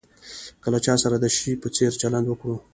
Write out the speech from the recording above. که له چا سره د شي په څېر چلند وکړو.